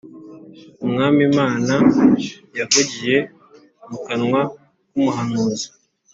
Umwami Imana yavugiye mu kanwa k’ umuhanuzi